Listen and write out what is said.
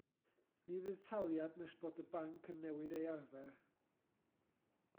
Ni fydd taliad nes bod y banc yn newid ei arfer.